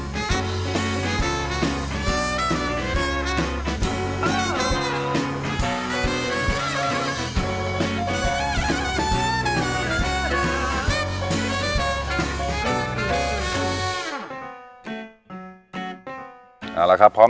จากเมนูแรกก่อนนะครับกับผัดไทยเส้นข้าวกล้องนะครับผม